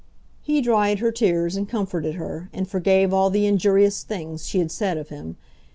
He dried her tears and comforted her, and forgave all the injurious things she had said of him.